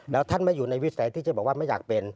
แล้วท่านไม่อยู่ในวิสัยที่จะบอกว่าไม่อยากเป็น